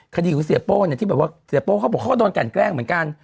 คดีของเสียโป้เนี่ยที่แบบว่าเสียโป้เขาบอกเขาก็โดนกันแกล้งเหมือนกัน